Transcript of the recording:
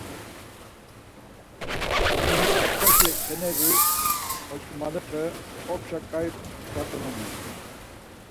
Kapçaşi xeneri oç̌ǩomalepe opşa ǩai datzonenan .